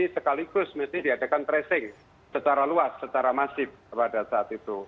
sekaligus mesti diadakan tracing secara luas secara masif pada saat itu